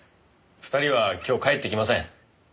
２人は今日帰ってきません。